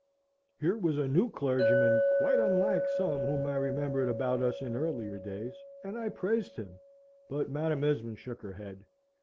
Here was a new clergyman, quite unlike some whom I remembered about us in earlier days, and I praised him, but Madam Esmond shook her head.